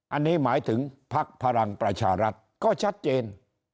อันนี้หมายถึงพักพลังประชารัฐก็ชัดเจน